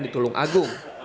di tulung agung